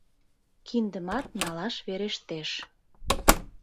Киндымат налаш верештеш.